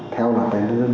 theo loại phát triển